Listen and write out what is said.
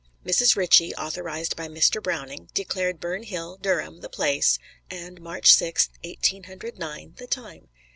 Mrs. Ritchie, authorized by Mr. Browning, declared Burn Hill, Durham, the place, and March Sixth, Eighteen Hundred Nine, the time.